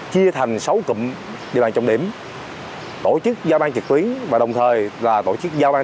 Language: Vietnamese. chia thành sáu cụm địa bàn trọng điểm tổ chức giao ban trực tuyến và đồng thời là tổ chức giao ban